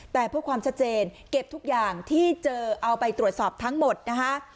แต่เพื่อความชัดเจนเก็บทุกอย่างที่เจอเอาไปตรวจสอบทั้งหมดนะคะ